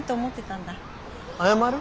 謝る？